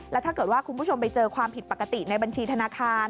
แล้วถ้าเกิดว่าคุณผู้ชมไปเจอความผิดปกติในบัญชีธนาคาร